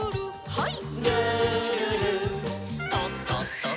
はい。